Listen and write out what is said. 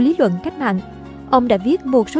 lý luận cách mạng ông đã viết một số